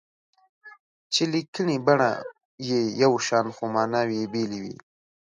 چې لیکني بڼه یې یو شان خو ماناوې یې بېلې وي.